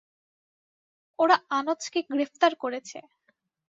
ওরা আনোচকে গ্রেফতার করেছে।